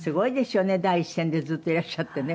第一線でずっといらっしゃってね